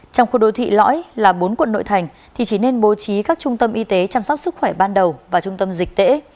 trong khu đô thị lõi là bốn quận nội thành thì chỉ nên bố trí các trung tâm y tế chăm sóc sức khỏe ban đầu và trung tâm dịch tễ